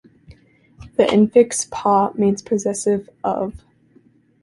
The infix "pa" means possessive 'of'.